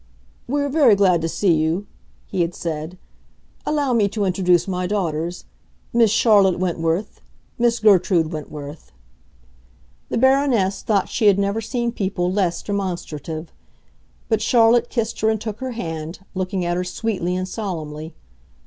"We are very glad to see you," he had said. "Allow me to introduce my daughters—Miss Charlotte Wentworth, Miss Gertrude Wentworth." The Baroness thought she had never seen people less demonstrative. But Charlotte kissed her and took her hand, looking at her sweetly and solemnly.